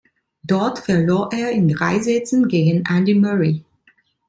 Dort verlor er in drei Sätzen gegen Andy Murray.